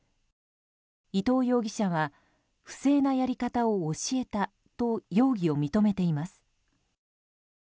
伊藤容疑者は不正なやり方を教えたと容疑を認めています。